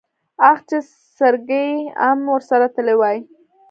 اخ چې سرګي ام ورسره تلی وای.